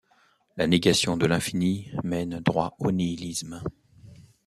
La négation de l’infini mène droit au nihilisme.